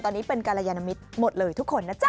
ตอนนี้เป็นกรยานมิตรหมดเลยทุกคนนะจ๊